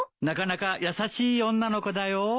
なかなか優しい女の子だよ。